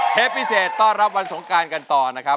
พิเศษต้อนรับวันสงการกันต่อนะครับ